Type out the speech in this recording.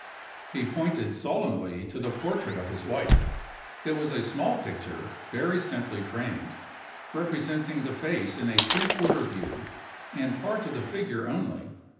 He pointed solemnly to the portrait of his wife. It was a small picture, very simply framed; representing the face in a "three quarter" view, and part of the figure only.